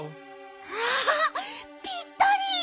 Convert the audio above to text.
わあぴったり！